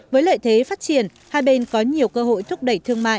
với lợi thế phát triển hai bên có nhiều cơ hội thúc đẩy